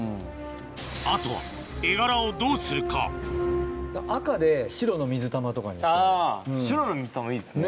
あとは絵柄をどうするかあぁ白の水玉いいですね。